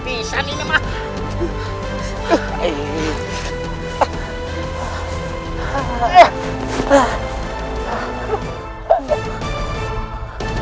maka sebanyak satu buah mendingurg